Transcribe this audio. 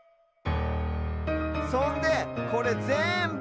そんでこれぜんぶ